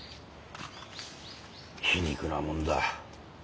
皮肉なもんだ。